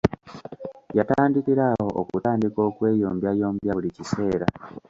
Yatandikira awo okutandika okweyombyayombya buli kiseera.